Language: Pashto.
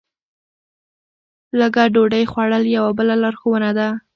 لږه ډوډۍ خوړل یوه بله لارښوونه ده.